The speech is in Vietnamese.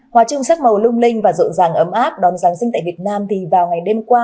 hòa chung sắc màu lung linh và rộn ràng ấm áp đón giáng sinh tại việt nam thì vào ngày đêm qua